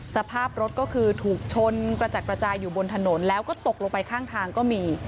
สภาพรถก็คือถูกชนกระจัดกระจายอยู่บนถนนแล้วก็ตกลงไปข้างทางก็มี